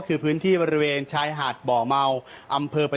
คือพื้นที่บริเวณชายหาดอำเภอหรือ